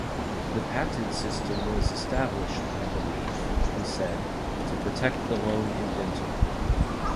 'The patent system was established, I believe', he said, 'to protect the lone inventor.